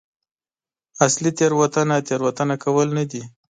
اصلي تېروتنه تېروتنه کول نه دي.